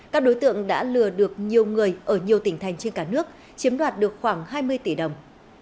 các đối tượng đã lừa được nhiều người ở nhiều tỉnh thành trên cả nước chiếm đoạt được khoảng hai mươi tỷ đồng